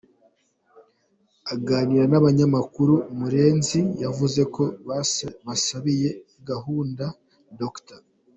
Aganira n’abanyamakuru, Murenzi yavuze ko basabiye gahunda Dr.